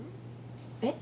えっ？